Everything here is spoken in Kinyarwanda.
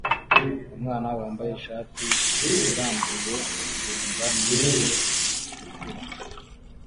Umwana wambaye ishati irambuye agenda n'intebe zitukura